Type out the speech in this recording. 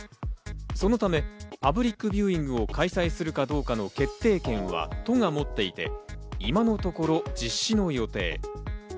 そのためパブリックビューイングを開催するかどうかの決定権は都がもっていて、今のところ実施の予定。